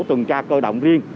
các tổ tuần tra cơ động riêng